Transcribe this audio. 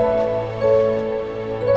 aku mau pergi